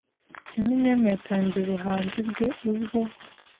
Eminem yatangiye ubuhanzi bwe ubwo